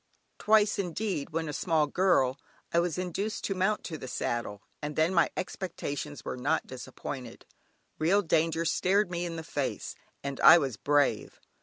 Twice indeed, when a small girl, I was induced to mount to the saddle, and then my expectations were not disappointed. Real danger stared me in the face, and I was brave.